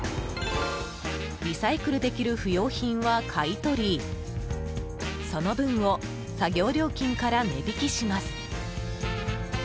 リサイクルできる不用品は買い取りその分を作業料金から値引きします。